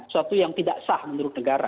suatu yang tidak sah menurut negara